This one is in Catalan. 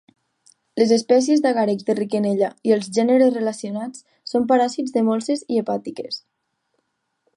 Les espècies d'agàrics de Rickenella i els gèneres relacionats són paràsits de molses i hepàtiques.